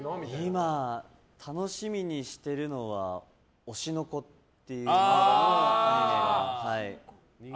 今、楽しみにしてるのは「推しの子」っていう。